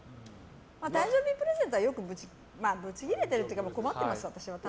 誕生日プレゼントはブチギレてるというか困ってます。